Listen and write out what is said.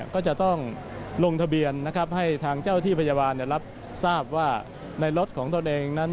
ก็จะต้องลงทะเบียนนะครับให้ทางเจ้าที่พยาบาลรับทราบว่าในรถของตนเองนั้น